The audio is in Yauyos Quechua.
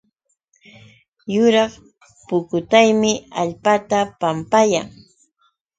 Yuraq pukutaymi allpata pampayan